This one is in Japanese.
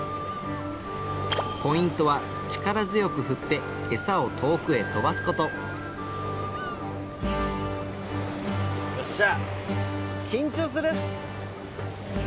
ポイントは力強く振って餌を遠くへ飛ばすことよっしゃ。